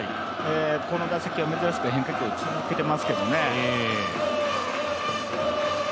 この打席は珍しく変化球を見せていますけれどもね。